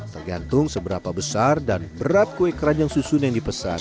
tergantung seberapa besar dan berat kue keranjang susun yang dipesan